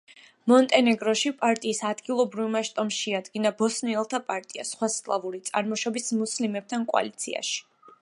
მონტენეგროში პარტიის ადგილობრივმა შტომ შეადგინა ბოსნიელთა პარტია სხვა სლავური წარმოშობის მუსლიმებთან კოალიციაში.